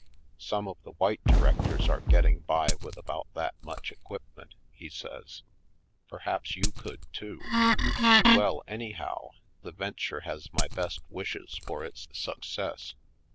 "Some of the white directors are getting by with about that much equipment," he says. "Perhaps you could, too. Well, any how, the venture has my best wishes for its success.